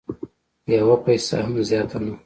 یوه پیسه هم زیاته نه